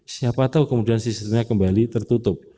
siapa tahu kemudian sistemnya kembali tertutup